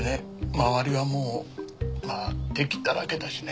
周りはもう敵だらけだしね